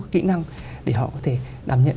kỹ năng để họ có thể đảm nhận